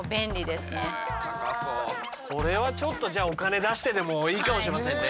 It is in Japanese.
これはちょっとお金出してでもいいかもしれませんね。